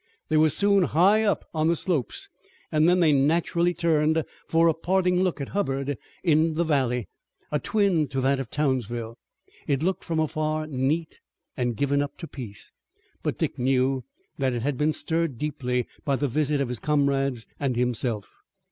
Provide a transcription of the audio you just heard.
They were soon high up on the slopes and then they naturally turned for a parting look at Hubbard in its valley, a twin to that of Townsville. It looked from afar neat and given up to peace, but Dick knew that it had been stirred deeply by the visit of his comrades and himself.